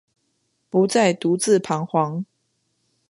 不再独自徬惶